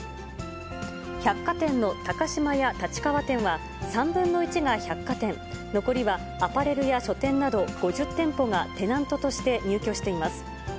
百貨店の高島屋立川店は、３分の１が百貨店、残りはアパレルや書店など、５０店舗がテナントとして入居しています。